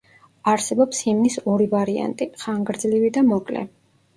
არსებობს ჰიმნის ორი ვარიანტი: ხანგრძლივი და მოკლე.